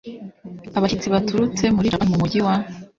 abashyitsi baturutse muri japan mu mujyi wa